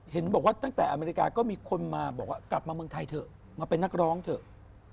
เห็นบอกว่าตั้งแต่อเมริกาก็มีคนมาบอกว่ากลับมาเมืองไทยเถอะมาเป็นนักร้องเถอะ